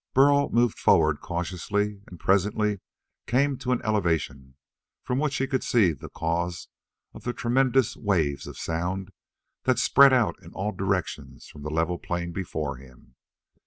Burl moved forward cautiously and presently came to an elevation from which he could see the cause of the tremendous waves of sound that spread out in all directions from the level plain before him.